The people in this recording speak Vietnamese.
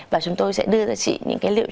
và chúng tôi sẽ đưa ra chị những liệu